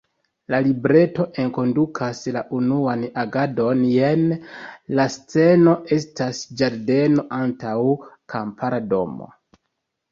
La libreto enkondukas la "unuan agadon" jene: „La sceno estas ĝardeno antaŭ kampara domo.